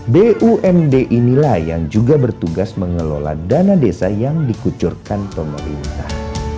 bumd inilah yang juga bertugas mengelola dana desa yang dikucurkan pemerintah